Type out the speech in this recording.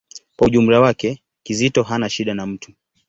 Kwa ujumla wake, Kizito hana shida na mtu.